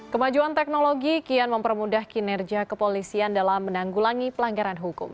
kemajuan teknologi kian mempermudah kinerja kepolisian dalam menanggulangi pelanggaran hukum